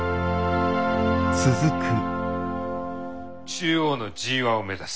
中央のＧⅠを目指す。